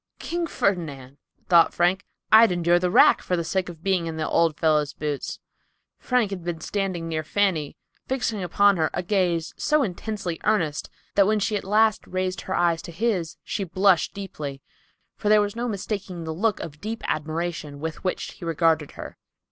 "King Ferdinand!" thought Frank, "I'd endure the rack for the sake of being in the old fellow's boots." Frank had been standing near Fanny, fixing upon her a gaze so intensely earnest that when she at last raised her eyes to his she blushed deeply, for there was no mistaking the look of deep admiration with which he regarded her.